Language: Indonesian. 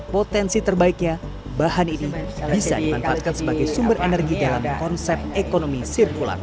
potensi terbaiknya bahan ini bisa dimanfaatkan sebagai sumber energi dalam konsep ekonomi sirkular